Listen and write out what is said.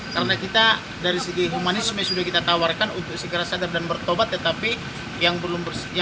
karena itu supaya dia sadar menutup bat di dalam kekuatannya